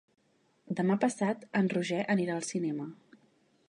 Demà passat en Roger anirà al cinema.